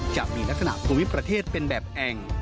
จะมีลักษณะภูมิประเทศเป็นแบบแอ่ง